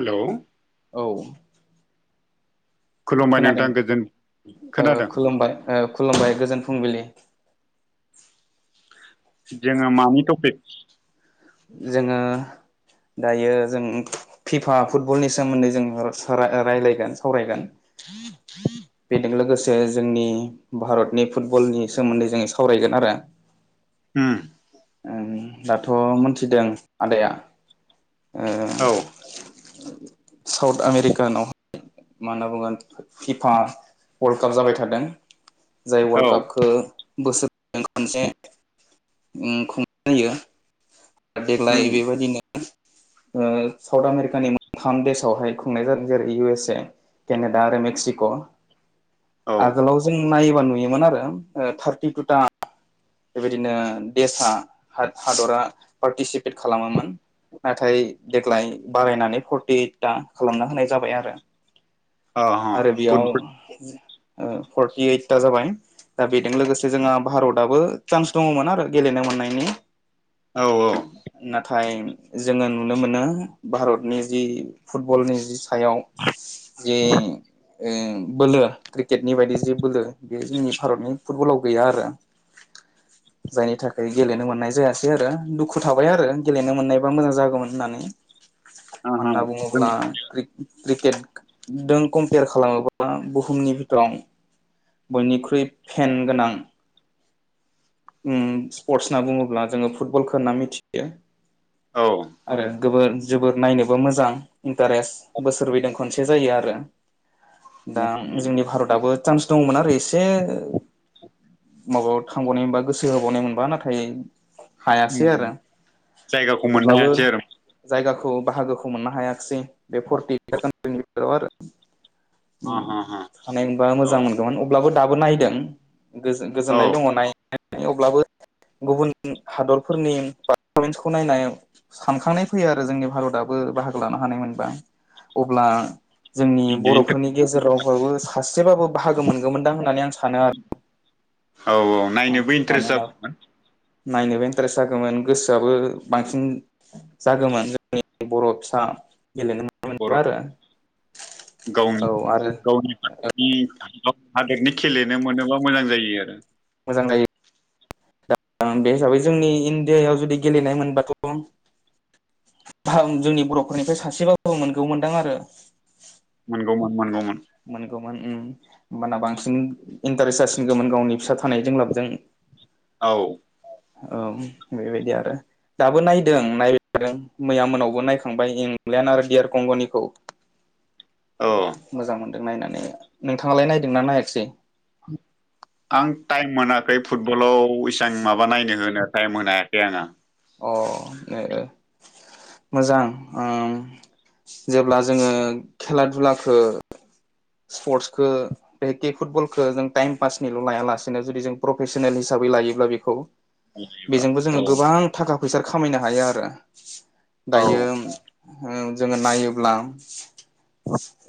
Hello औ खुलुमबाय खोनादों नोंथां गोजोन ओ खोनादों खुलुमबाय ओ खुलुमबाय गोजोन फुंबिलि जोङो मानि टपिक जोङो दायो जों फिफा फुटबलनि सोमोन्दै जों सावरायगोन रायलायगोन सावरायगोन [inaudible] बेजों लोगोसे जोंनि भारतनि फुटबलनि सोमोन्दै जों सावरायगोन आरो उम ओं दाथ' मोनथिदों आदाया ओ औ साउथ आमेरिकानाव मा होनना बुंगोन फिफा वर्ल्ड काप जाबाय थादों। जाय औ वर्ल्ड कापखो बोसोरजों खनसे उम खुंनाय जायो। देग्लाय उम बेबायदिनो ओ साउथ आमेरिकानि मोनथाम देशावहाय खुंनाय जादों जेरै इउ एस ए केनेडा आरो मेक्सिक' औ आगोलाव जों नायोबा नुयोमोन आरो थार्टि तुथा बेबायदिनो देसा हादरा पार्टिसिपेट खालामोमोन नाथाय देग्लाय बारायनानै फुरति इयोतता खालामना होनाय जाबाय आरो अ ह आरो बेयाव फुटबल फर्टि ओइथा जाबाय दा बेजों लोगोसे जोंहा भारतआो चान्स दङमोन आरो गेलेनो मोननायनि औ औ नाथाय जोङो नुनो मोनो भारतनि जि फुटबलनि जि सायाव जि बोलो क्रिकेटनि बायदि जे बोलो बे जोंनि भारतनि फुटबलाव गैया आरो जायनि थाखाय गेलेनो मोननाय जायासै आरो दुखु थाबाय आरो गेलेनो मोननायबा मोजां जागौमोन होननानै मा अ ह होनना बुंङोब्ला क्रिकेटदों कम्पेयार खालामोब्ला बुहुमनि बिथोराव बयनिख्रुइ फेन गोनां स्पर्टस होनना बुङोब्ला जोङो फुटबलखौ होनना मिथियो औ आरो जोबोर नायनोबो मोजां इन्टारेस्ट बोसोरबैदों खनसे जायो आरो दा जोंनि भारतआो चान्स दङमोन आरो एसे माबायाव थांबावनाय मोनबा गोसो होबावनाय मोनबा नाथाय हायासै आरो जायगाखौ मोननो अब्लाबो हायासै आरो जायगाखौ खौ बाहागोखौ मोननो हायाखसै बे फरटिनि [unintelligible] उम अ ह ह थानाय मोनबा औ मोजां मोनगौमोन अब्लाबो दाबो नायदों औ गोजोननाय दङ नायनानै अब्लाबो गुबुन हादरफोरनि पारफरमेन्सखौ नायनाय सानखांनाय फैयो आरो जोंनि भारताबो बाहागो लानो हानायमोन। बा अब्ला जोंनि बर'फोरनि गेजेरावबाबो सासेबाबो बाहागो मोनगौमोनदां होननानै आं सानो आरो। औ औ नायनोबो इन्ट्रेस्ट मानोना जागौमोन नायनोबो इन्टारेस्ट जागौमोन गोसोआबो बांसिन जागौमोन जोंनि बर'फिसा बर' औ गावनि आरो गावनि हादोरनि खेलेनो मोनोब्ला मोजां जायो आरो। मोजां जायो। बे हिसाबै जोंनि इण्डियायाव जुदि गेलेनाय मोनबाथ' जोंनि बर'फोरनिफ्राय सासेबाबो मोनगौ मोनदां आरो। मोनगौमोन मोनगौमोन। माने होमबाना बांसिन इन्टारेस जासिनगौमोन गावनि फिसा थानाय जों लाबजों औ औ बेबायदि आरो। दाबो नायदों नायदों मैया मोनावबो नायखांबाय इंलेण्ड आरो इयार कंग'निखौ औ मोजां मोनदों नायनानै नोंथाङालाय नायदोंना नायाखिसै? आं टाइम मोनाखै फुटबलाव इसबां माबा नायनो होनो मोनाखै आङो। अ ओ मोजां ओं। जेब्ला जोङो खेला दुलाखो स्पर्टसखौ बेहेके फुटबलखौ जों टाइम पासनिल' लाया लासेनो जुदि जों प्रफेसनेल हिसाबै लायोब्ला बेखौ बेजोंबो औ जोङो गोबां थाखा फैसा खामायनो हायो आरो औ दायो ओं जोङो नायोब्ला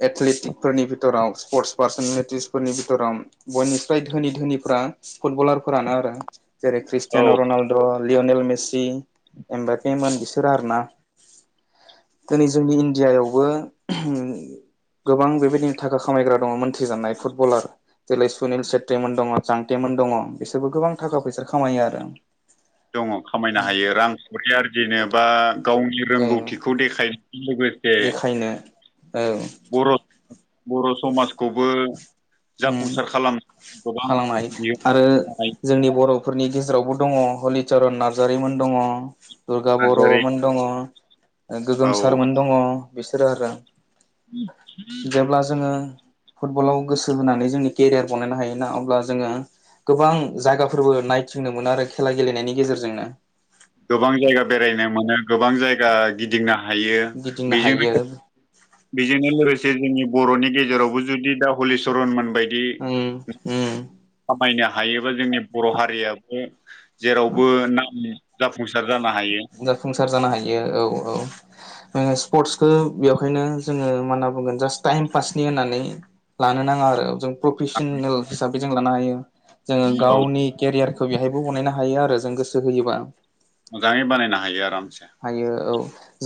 एथलेटिकफोरनि थराव स्पर्टस पार्सनेलिटिसफोरनि बिथोराव बयनिफ्राय धोनि धोनिफ्रा फुटबलार फोरानो ओ जेरै औ ख्रिस्टियानाव रनाल्द' लियनेल मेसि एमबाखैमोन बिसोरो आरोना। दिनै जोंनि इण्डियायावबो ओम गोबां बेबायदिनो थाखा खामायग्रा दङ मोन्थिजानायनाय फुटबलार जेरै सुनिल सेत्रीमोन दङ जांटेमोन दङ बिसोरबो गोबां थाखा फैसा खामायो आरो। दङ खामायनो हायो रांखावरि आरजिनो बा गावनि ओ रोंगौथिखौ देखाय [inaudible] बो देखायनो ओ बर' बर' समाजखौबो ओम जाफुंसार खालामनो गोबां खालामनो हायो आरो बिहोमा जोंनि बर' फोरनि गेजेरावबो दङ हलिचरन नार्जारिमोन दङ दुर्गा नार्जारि बर'मोन दङ। गोगोम औ सारमोन दङ बिसोरो आरो जेब्ला जोङो फुटबलाव गोसो होनानै जोंनि केरियार बानायनो हायो ना अब्ला जोङो गोबां जायगाफोरबो नायथिंनो मोनो आरो खेला गेलेनायनि गेजेरजोंनो। गोबां जायगा बेरायनो मोनो गोबां जायगा गिदिंनो हायो गिदिंनो हायो बेजोंनो बेजोंनो लोगोसे जोंनि बर'नि गेजेरावबो जुदि दा हलिचरन मोनबाय ओम ओम बायनो हायोबा जोंनि बर' हारियाबो जेरावबो नाम जा फुंसार जानो हायो औ औ जोङो स्पर्टसखौ बेखायनो जोङो मा होनना बुंगोन जास्ट टाइम पासनि होननानै लानो नाङा आरो जों प्रफेसनेल हिसाबै जों लानो हायो जोङो औ गावनि केरियारखौ बेवहायबो बनायना हायो आरो जों गोसो होयोबा मोजाङै बानायनो हायो आराम हायो औ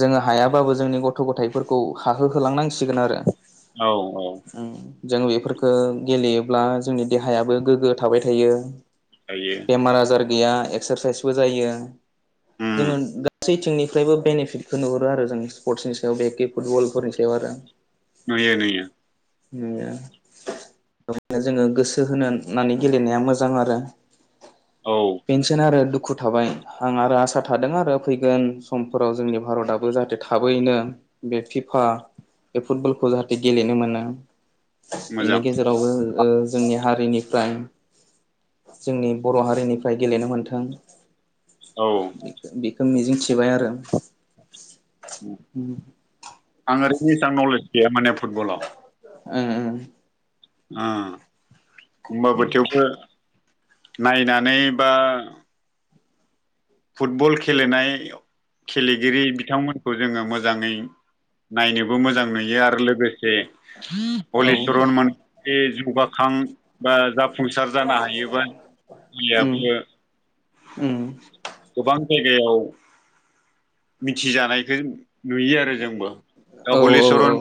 जोङो हायाबाबो जोंनि गथ' गथायफोरखौ हाहोहोलांनांसिगोन आरो। औ औ। जों बेफोरफोरखौ गेलेयोब्ला जोंनि देहायाबो गोग्गो थाबाय थायो। हायो बेमार आजार गैया एक्सारसाइसबो जायो उम जोङो। गा थ्रि थिंनिफ्रायबो बेनिफिटखौ नुहुरो आरो जों स्पर्टसनि सायाव बेखि फुटबलफोरनि सायाव आरो नुयो नुयो [inaudible] [unintelligible] जोङो गोसो होनोानै गेलेनाया मोजां आरो औ पेनसन आरो दुखु थाबाय आं आरो आसा थादों आरो फैगोन समफोराव जोंनि भारतआो जाहाथे थाबैनो बे फिफा बे फुटबलखौ जाहाथे गेलेनो मोना बेनि मोजां गेजेरावबो ओ जोंनि हारिनिफ्राय जोंनि बर' हारिनिफ्राय गेलेनो मोन्थों औ बेखौ मिजिं थिबाय आरो। आं ओरै बेसेबां नलेज गैया माने फुटबलाव। ओ ओ ओ होनबाबो थेवबो नायनानै बा फुटबल खेलेनाय गेलेगिरि बिथांमोनखौ जोङो मोजाङै नायनोबो मोजां नुयो आरो लोगो से औ हलिचरन मोन [inaudible] सैजौगाखां बा जा जाफुंसार जानो हायोबा [inaudible] गोबां जायगायाव मिथिजानायखौ नुयो आरो जोंबो दा औ औ औ हलिचरन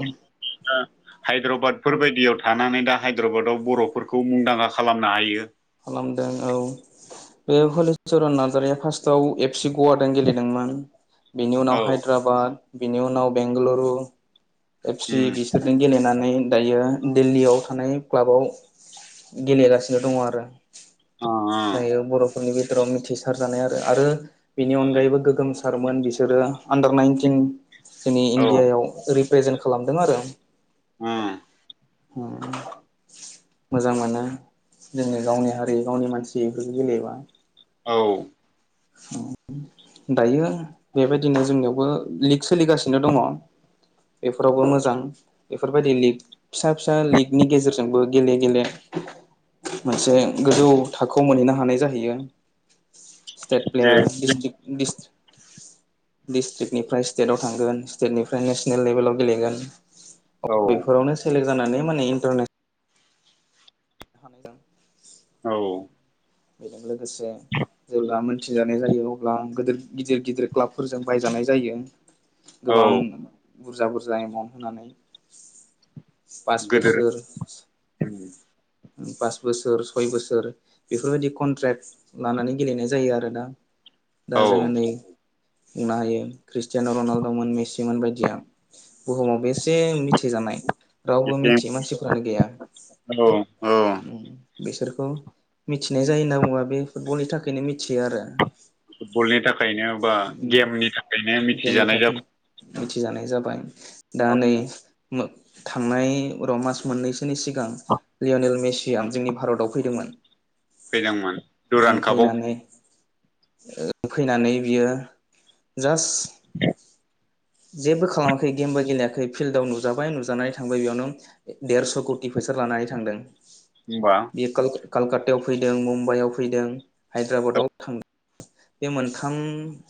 [inaudible] हायद्राबादफोर बायायदियाव थानानै दा हायद्राबादाव बर'फोरखौ मुंदांखा खालामनो हायो। खालामदों औ। बे हलिचरन नार्जारिया फार्स्टाव एफसि गवादों गेलेदोंमोन। बेनि औ उनाव हायद्राबाद बिनि उनाव बेंगालुरु। ओबसि उम बिसोरजों गेलेनानै दायो दिल्लीयाव थानाय क्लाबाव गेलेगासिनो दङ आरो ओ ओ दायो बर'फोरनि भिट'राव मिथिसार जानो आरो आरो बेनि जानाय अनगायैबो गोगोम आरो मोन बिसोरो आनदार नाइनटिन जोंनि औ इण्डियायाव ओरै ओ जोङो खालामदों आरो होम हम्म मोजां मोनो जोंनि गावनि हारि गावनि मानसि बेफोर गेलेयोबा। औ ख'मैनो दायो बेबादिनो जोंनियावबो लिग सोलिगासिनो दङ। बेफोरावबो मोजां बेफोरबायदि लिग फिसा फिसा लिगनि गेजेरजोंबो गेले गेले मोनसे गोजौ थाखोआव मोनहैनो हानाय जाहैयो। स्टेट प्लेयार जेरै डिस्ट्रिक्ट डिस्ट्रिक्ट डिस्ट्रिक्टनिफ्राय स्टेटआव थांगोन स्टेटनिफ्राय नेसनेल लेबेलाव गेलेगोन। औ बेफोरावनो सेलेक्ट जानानै माने इन्टारनेसनेल हानायजों औ बेजों लोगोसे जेब्ला मोनथिजानाय जायो अब्ला गोदोत गिदिर गिदिर क्लाबफोरजों बायजानाय नुनाय जायो औ गोबां बुरजा बुरजा एमावन होनानै पास गोदोर बोसोर पास बोसोर सय बोसोर बेफोरबायदि कन्ट्रेक्ट लानानै गेलेनाय जायो आरो ना दा औ जोङो नै बुंनो हायो ख्रिस्टियान' रनाल्द'मोन मेसिमोन बायदिया बुहुमाव बेसे मिथि जानाय रावबो एसे मिथियि मानसिफोरानो गैया। औ औ बेसोरखौ मिथिनाय जायो होनना बुङोबा बे फुटबलनि थाखायनो मिथियो आरो। फुटबलनि थाखायनो बा गेमनि थाखायनो गेमनि मिथिजानाय थाखायनो जाबा मिथिजानाय जाबाय दा नै मो थांनाय र' मास मोननैसो नि सिगां लिय'नेल मेसिया जोंनि भारताव फैदोंमोन। फैदोंमोन [inaudible] ओम दुरान कापाव फैनानै ओ फैनानै बियो जास्ट जेबो खालामाखै गेमबो गेलेयाखै फिल्डआव नुजाबाय नुजानानै थांबाय बेयावनो देरस' कौटि बिसोर लानानै थांदों। होनबा बियो कल-कलकात्तायाव फैदों मुम्बाइआव फैदों औ हायद्राबादाव थां बे मोनथाम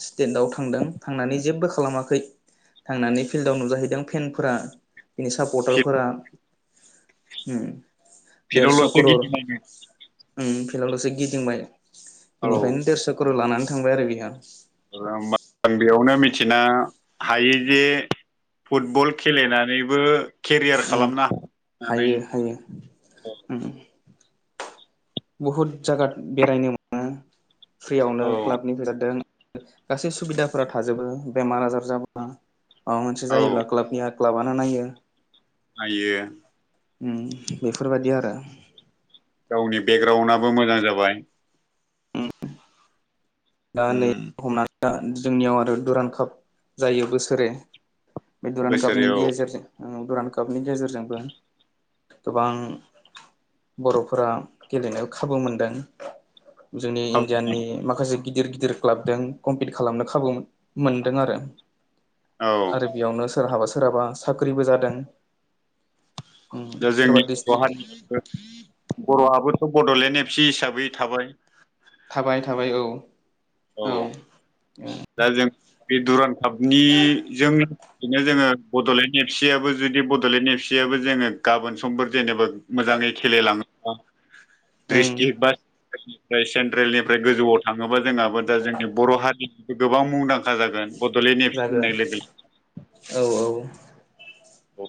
स्टेटाव थांदों थांनानै जेबो खालामाखै थांनानै फिल्डआव नुजाहैदों फेनफोरा बिनि सापर्टारफोरा होम फिदाव ल'सो [unintelligible] ओम फिल्डआव ल'सो गिदिंबाय औ इनिफायनो देरस' करर लानानै थांबाय आरो बिहा। [unintelligible] बेयावनो मिथिनो हायो दि फुटबल खेलेनानैबो खेरियार उम खालामना नानै हायो [inaudible] हायो बुहुद जागा बेरायनो मोनो फ्रियावनो औ क्लाबनि [unintelligible] गासै सुबिदाफोरा थाजोबो बेमार आजार जाबोला माबा मोनसे औ जायोब्ला क्लाबनिया क्लाबानो नायो। आयो। उम बेफोरबादि आरो। गावनि बेगग्राउन्डआबो मोजां जाबाय। दा उम नै हमनानै ला जोंनियाव आरो दुरान्ड काप जायो बोसोरै बे दुरान्ड बोसोरै कापनि औ गेजेरजों उम दुरान्ड कापनि गेजेरजोंबो गोबां बर'फोरा गेलेनो खाबु मोनदों। जोंनि इण्डियाननि माखासे गिदिर गिदिर क्लाबदों कम्पिट खालामनो खाबु मोन-मोनदों आरो। औ आरो बेयावनो सोरहाबा सोरहाबा साख्रिबो जादों। उम दा सोरबा जोंनि बर' डिस्ट्रिक्ट हारियाबो बर'हाबो बड'लेण्ड एफ सि हिसाबै थाबाय। थाबाय थाबाय औ। औ दा जों बे दुरान्ड कापनिजों दिनो जोङो बड'लेण्ड एफ सि याबो जुदि बड'लेण्ड एफ सि याबो जोङो गाबोन समफोर जेन'बा मोजां बे खेलाय लाङोबा ओं दिस्ट्रिक्ट बा [inaudible] सेन्ट्रेलनिफ्राय गोजौआव थाङोबा जोंहा दा जोंनि बर' हारि गोबां मुंदांखा जागोन। बड'लेण्ड एफ सि जागोन होननाय लोगो लोगो औ औ औ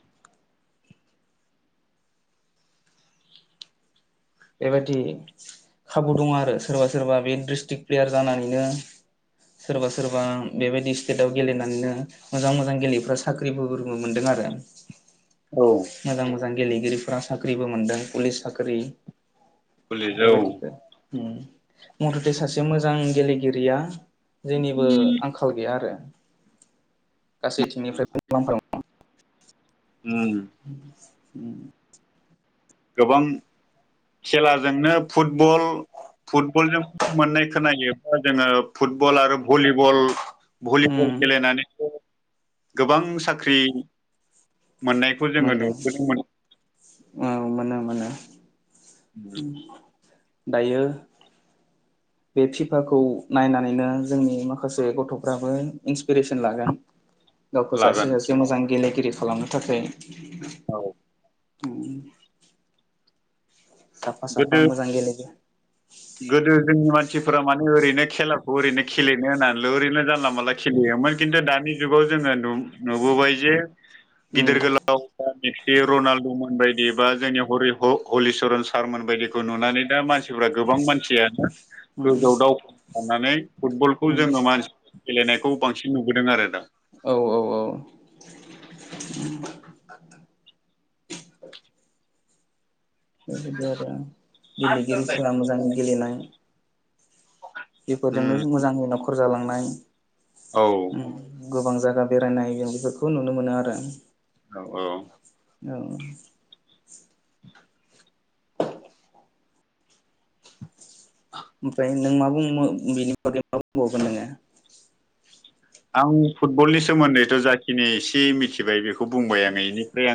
बेबायदि खाबु दङ आरो सोरबा सोरबा बे दिस्ट्रिक प्लेयार जानानैनो सोरबा सोरबा बेबायदि स्टेटआव गेलेनानैनो मोजां मोजां गेलेफ्रा साख्रिबो फोर मोनदों आ आरो। औ जां गेलेगिरिफोरा साख्रिबो मोनदों पुलिस साख्रि। पुलिस औ। बेफोरबायदिखौ उम मथ'थे सासे मोजां गेलेगिरिया जेनिबो आंखाल गैया आरो। गासैथिंनिफ्रायबो मुलाम्फा दङ। उम [inaudible] गोबां खेलाजोंनो फुटबल फुटबलजों मोननाय खोनायो बा जोङो फुटबल आरो भलिबल भलिबल उम गेलेनानैबो गोबां साख्रि मोननायखौ जोङो मोनदों नुबोदोंमोन [unintelligible] उम दायो बे फिफाखौ नायनानैनो जोंनि माखासे गथ'फ्राबो इन्सपिरेसन लागोन गावखौ लागोन सासे-सासे मोजां गेलेगिरि खालामनो थाखाय औ साफा-साफा गोदो मोजां गेलेयो गोदो जोंनि मानसिफोरा माने ओरैनो खेलाखौ ओरैनो खेलेनो होननानैल' ओरैनो जानला मानला खेलेयो ओमफाय खिन्थु दानि जुगाव जोङो नु नुबोबाय जे गिदिर उम गोलाव मेसि रनाल्दमोन बायदि बा जोंनि हरि हलिचरन सारमोन बायदिखौ नुनानै दा मानसि गोबां मानसियानो उम गोजौआव दावखैलांनानै फुटबलखौ उम जोंङो मानसि गेलेनायखौ बांसिन नुबोदों आरो दा औ-औ-औ बेबायदि आरो गेलेगिरिफोरा मोजांङै गेलेनाय उम बेफोरजोंनो मोजांङै नखर जालांनाय औ उम गोबां जागा बेरायनाय जों बेफोरखौ नुनो मोनो आरो औ-औ औ ओमफ्राय नों मा बुंङो बेनि बागै मा बुंबावगोन नोंङो आं फुटबलनि सोमोन्दैथ जाखिनि एसे मिथिबाय बेखौ बुंबाय आंङो एनिफ्राय आं